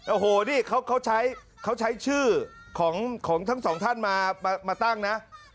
โอ้โหนี่เขาใช้ชื่อของทั้งสองท่านมาตั้งนะ